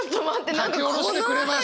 書き下ろしてくれました。